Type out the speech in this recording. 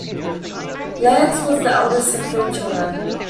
Lance was the eldest of three children.